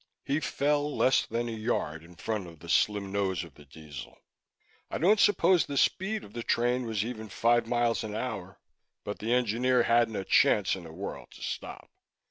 He fell less than a yard in front of the slim nose of the Diesel. I don't suppose the speed of the train was even five miles an hour, but the engineer hadn't a chance in the world to stop.